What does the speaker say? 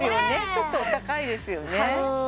ちょっとお高いですよね